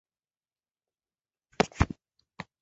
湖北省邮政管理局亦将发件方之经营许可证吊销。